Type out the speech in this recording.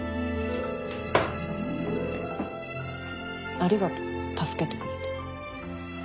ありがと助けてくれて。